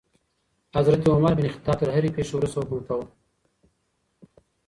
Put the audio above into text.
حضرت عمر بن خطاب تر هرې پېښي وروسته حکم کاوه.